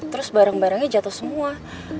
terus barang barangnya jatuh semua